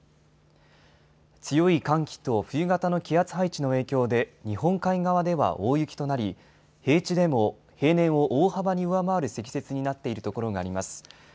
強い寒気と冬型の気圧配置の影響で、日本海側では大雪となり、平地でも平年を大幅に上回る積雪になっている所があります。